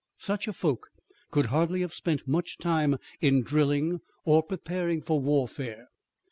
Such a folk could hardly have spent much time in drilling or preparing for warfare.